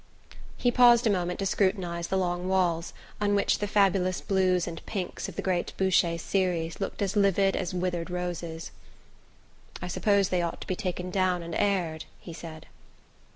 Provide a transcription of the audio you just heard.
He paused a moment to scrutinize the long walls, on which the fabulous blues and pinks of the great Boucher series looked as livid as withered roses. "I suppose they ought to be taken down and aired," he said.